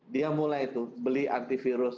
dia mulai tuh beli antivirus